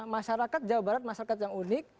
masyarakat jawa barat masyarakat yang unik